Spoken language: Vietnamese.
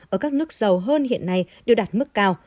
ở các nước giàu hơn hiện nay đều đạt mức cao